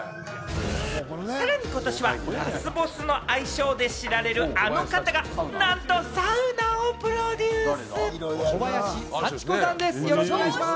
さらに今年はラスボスの愛称で知られるあの方がなんとサウナをプロデュース！